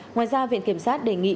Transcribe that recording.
ngoài ra viện kiểm tra đề nghị